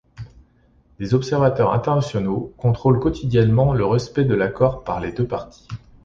Des observateurs internationaux contrôlent quotidiennement le respect de l'accord par les deux parties.